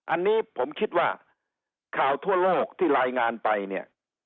อันนี้ผมคิดว่าข่าวทั่วโลกที่รายงานไปเนี่ย